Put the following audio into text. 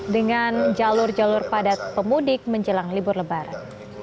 dengan jalur jalur padat pemudik menjelang libur lebaran